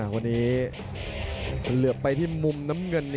วันนี้เหลือไปที่มุมน้ำเงิน